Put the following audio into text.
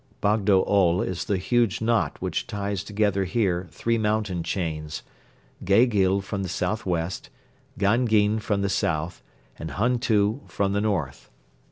Bogdo Ol is the huge knot which ties together here three mountain chains: Gegyl from the southwest, Gangyn from the south, and Huntu from the north.